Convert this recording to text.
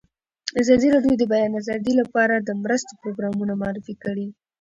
ازادي راډیو د د بیان آزادي لپاره د مرستو پروګرامونه معرفي کړي.